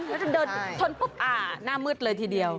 แล้วจะเดินชนปุ๊บหน้ามืดเลยทีเดียว